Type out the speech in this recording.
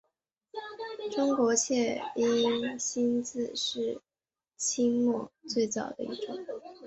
中国切音新字是清末拼音字方案中最早的一种。